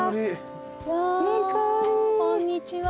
こんにちは。